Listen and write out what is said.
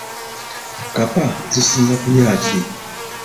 Kkapa zisinga kulya ki?